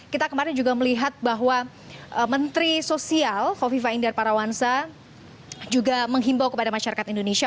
kita kemarin juga melihat bahwa menteri sosial kofifa indar parawansa juga menghimbau kepada masyarakat indonesia